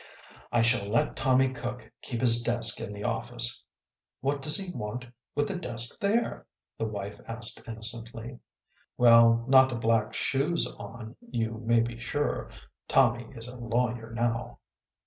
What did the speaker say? " I shall let Tommy Cook keep his desk in the office." "What does he want with a desk there?" the wife asked innocently. " Well, not to black shoes on, you may be sure. Tommy is a lawyer now."